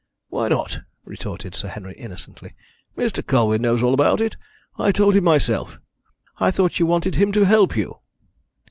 "Why not?" retorted Sir Henry innocently. "Mr. Colwyn knows all about it I told him myself. I thought you wanted him to help you?"